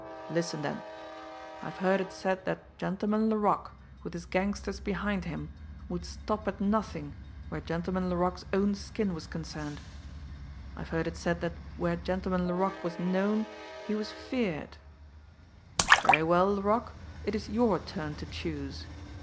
Listen, then! I have heard it said that Gentleman Laroque, with his gangsters behind him, would stop at nothing where Gentleman Laroque's own skin was concerned. I have heard it said that where Gentleman Laroque was known he was feared. Very well, Laroque, it is your turn to choose.